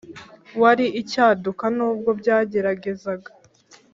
wari icyaduka nubwo bwageragezaga